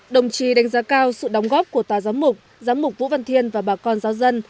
đồng chí đánh giá cao sự đóng góp của tòa giám mục giáo mục vũ văn thiên và bà con giáo dân